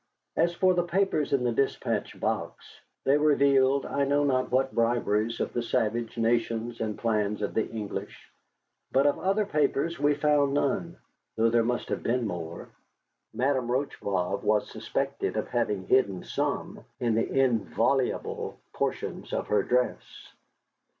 As for the papers in the despatch box, they revealed I know not what briberies of the savage nations and plans of the English. But of other papers we found none, though there must have been more. Madame Rocheblave was suspected of having hidden some in the inviolable portions of her dress.